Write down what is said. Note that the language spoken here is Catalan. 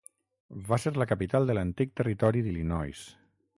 Va ser la capital de l'antic Territori d'Illinois.